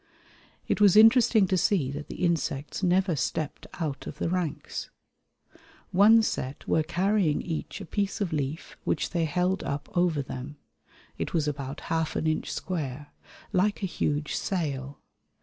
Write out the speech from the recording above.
It was interesting to see that the insects never stepped out of the ranks. One set were carrying each a piece of leaf which they held up over them (it was about half an inch square) like a huge sail.